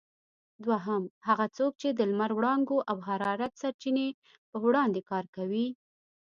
دوهم: هغه څوک چې د لمر وړانګو او حرارت سرچینې په وړاندې کار کوي؟